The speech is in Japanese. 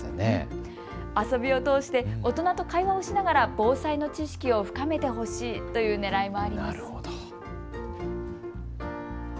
遊びを通して大人と会話をしながら防災の知識を深めてほしいというねらいもあります。